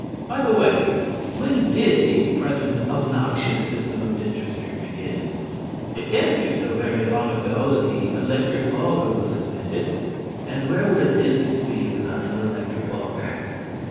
(By the way, when did the present obnoxious system of dentistry begin? It can't be so very long ago that the electric auger was invented, and where would a dentist be without an electric auger?